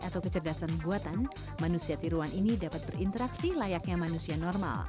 atau kecerdasan buatan manusia tiruan ini dapat berinteraksi layaknya manusia normal